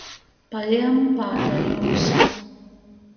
Pajiemu pādejūs.